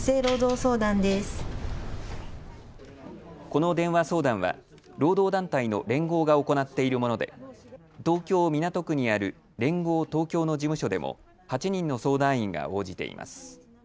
この電話相談は労働団体の連合が行っているもので東京港区にある連合東京の事務所でも８人の相談員が応じています。